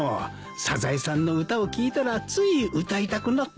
サザエさんの歌を聴いたらつい歌いたくなって。